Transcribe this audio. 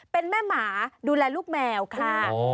เป็นแม่หมาดูแลลูกแมวค่ะ